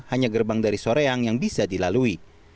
hanya gerbang dari soreang yang bisa dilalui